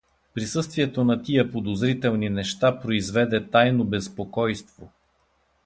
Присъствието на тия подозрителни неща произведе тайно безпокойство.